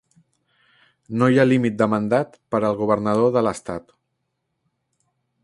No hi ha límit de mandat per al governador de l'estat.